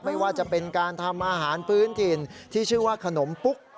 ไม่ว่าจะเป็นการทำอาหารพื้นถิ่นที่ชื่อว่าขนมปุ๊ก